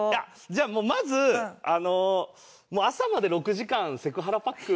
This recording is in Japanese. じゃあもうまず朝まで６時間セクハラパック。